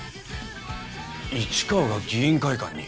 市川が議員会館に？